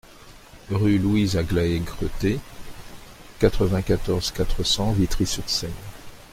Rue Louise-Aglaë Cretté, quatre-vingt-quatorze, quatre cents Vitry-sur-Seine